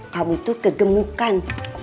kamu tuh kegemukan